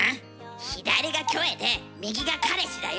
左がキョエで右が彼氏だよ！